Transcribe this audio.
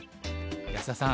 安田さん